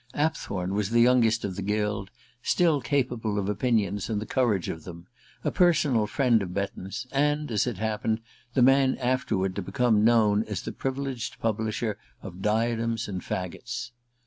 Apthorn was the youngest of the guild, still capable of opinions and the courage of them, a personal friend of Betton's, and, as it happened, the man afterward to become known as the privileged publisher of "Diadems and Faggots."